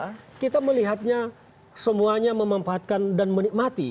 dan siapa yang memakai kita melihatnya semuanya memanfaatkan dan menikmati